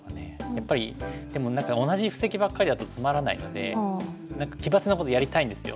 やっぱりでも何か同じ布石ばっかりだとつまらないので何か奇抜なことやりたいんですよ。